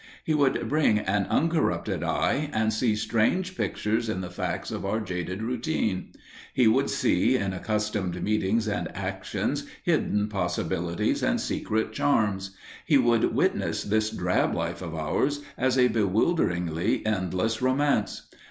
He would bring an uncorrupted eye and see strange pictures in the facts of our jaded routine. He would see in accustomed meetings and actions hidden possibilities and secret charms. He would witness this drab life of ours as a bewilderingly endless romance.